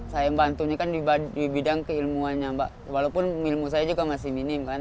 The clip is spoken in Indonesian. saya bantunya kan di bidang keilmuannya mbak walaupun ilmu saya juga masih minim kan